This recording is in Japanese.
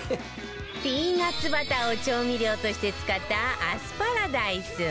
ピーナッツバターを調味料として使ったアスパラダイス